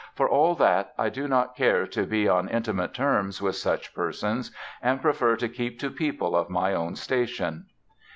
For all that, I do not care to be on intimate terms with such persons and prefer to keep to people of my own station."